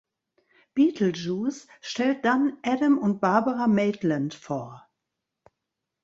Beetlejuice stellt dann Adam und Barbara Maitland vor.